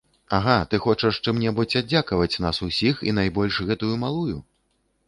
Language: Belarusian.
Ага, ты хочаш чым-небудзь аддзякаваць нас усіх і найбольш гэтую малую?